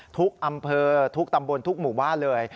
ทุกอำเภอทุกตำบลทุกหมู่บ้านเลย